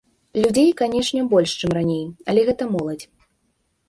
Людзей, канечне, больш, чым раней, але гэта моладзь.